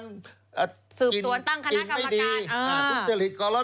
มีการกินไม่ดีสูบสวนตั้งคณะกรรมการ